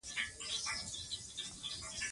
زه ټولنیز اخلاق مراعت کوم.